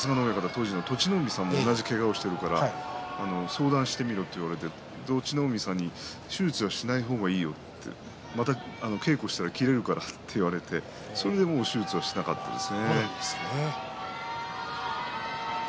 当時の栃ノ海さんも同じけがをしているから相談してみろと言われて栃ノ海さんに手術はしない方がいいよとまた稽古をしたら切れるからと言われて、それでもう手術はしなかったです。